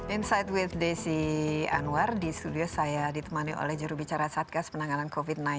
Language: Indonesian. insight with desi anwar di studio saya ditemani oleh jurubicara satgas penanganan covid sembilan belas